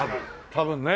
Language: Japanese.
多分ね。